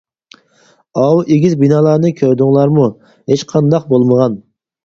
ئاۋۇ ئېگىز بىنالارنى كۆردۈڭلارمۇ؟ ھېچقانداق بولمىغان.